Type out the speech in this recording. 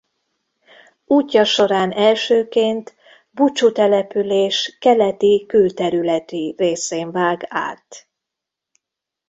Útja során elsőként Bucsu település keleti külterületi részén vág át.